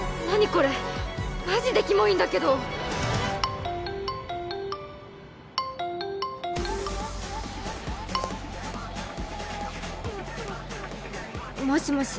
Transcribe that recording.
これマジできもいんだけど・もしもし？